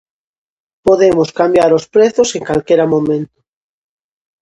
Podemos cambiar os prezos en calquera momento.